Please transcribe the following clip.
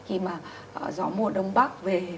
khi mà gió mùa đông bắc về